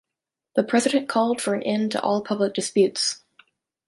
The president called for an end to all public disputes.